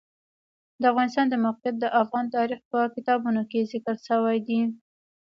د افغانستان د موقعیت د افغان تاریخ په کتابونو کې ذکر شوی دي.